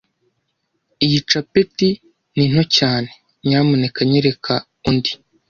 Iyi capeti ni nto cyane. Nyamuneka nyereka undi.